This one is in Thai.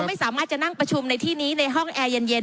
ไม่สามารถจะนั่งประชุมในที่นี้ในห้องแอร์เย็น